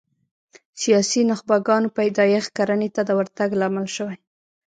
سیاسي نخبګانو پیدایښت کرنې ته د ورتګ لامل شوي